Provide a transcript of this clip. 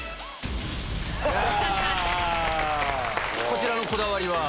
こちらのこだわりは？